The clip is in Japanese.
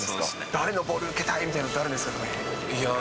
誰のボール受けたいみたいなのあるんですかね。